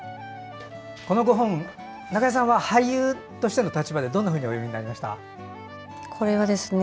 このご本、中江さんは俳優としての立場でどんなふうにお読みになりました？